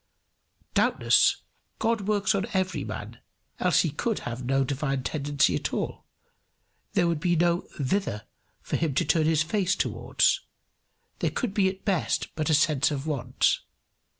Doubtless, God works on every man, else he could have no divine tendency at all; there would be no thither for him to turn his face towards; there could be at best but a sense of want.